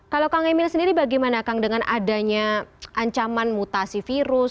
kalau kang emil sendiri bagaimana kang dengan adanya ancaman mutasi virus